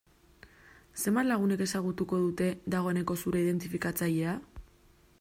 Zenbat lagunek ezagutuko dute, dagoeneko zure identifikatzailea?